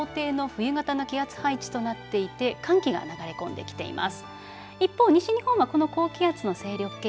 北日本では西高東低の冬型の気圧配置となっていて寒気が流れ込んできています。